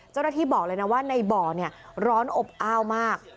เจ้าหน้าที่บอกเลยนะว่าในบ่อเนี่ยร้อนอบอ้าวมาก